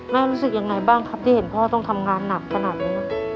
รู้สึกยังไงบ้างครับที่เห็นพ่อต้องทำงานหนักขนาดนี้